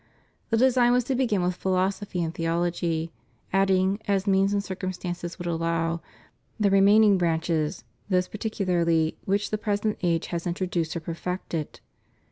The design was to begin with philosophy and theology, adding, as means and circumstances would allow, the remaining branches, those particularly which the present age has introduced or perfected.